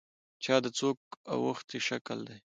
چا د څوک اوښتي شکل دی.